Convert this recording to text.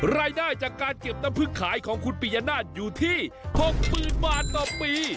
รายได้จากการเก็บน้ำพึ่งขายของคุณปียนาศอยู่ที่๖๐๐๐บาทต่อปี